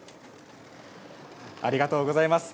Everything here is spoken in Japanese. ありがとうございます。